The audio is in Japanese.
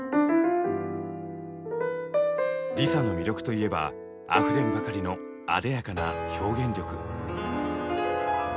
ＬｉＳＡの魅力といえばあふれんばかりのあでやかな表現力。